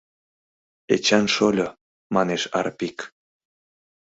— Эчан шольо, — манеш Арпик.